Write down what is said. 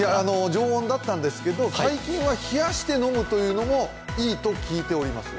常温だったんですけど、最近は冷やして飲むのもいいと聞いております。